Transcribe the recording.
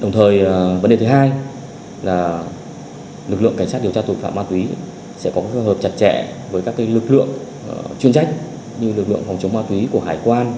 đồng thời vấn đề thứ hai là lực lượng cảnh sát điều tra tội phạm ma túy sẽ có hợp chặt chẽ với các lực lượng chuyên trách như lực lượng phòng chống ma túy của hải quan